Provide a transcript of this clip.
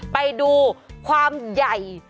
ไปดูความใหญ่